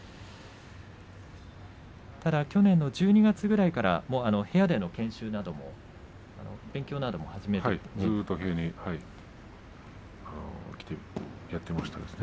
ただ去年の１２月くらいから部屋での研修なども始めているということですね。